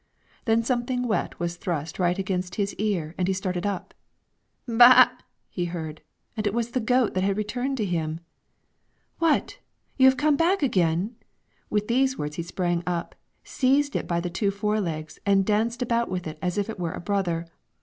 Then something wet was thrust right against his ear, and he started up. "Ba a a a!" he heard, and it was the goat that had returned to him. "What! have you come back again?" With these words he sprang up, seized it by the two fore legs, and danced about with it as if it were a brother.